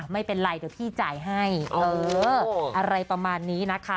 ไม่เป็นไรเดี๋ยวพี่จ่ายให้เอออะไรประมาณนี้นะคะ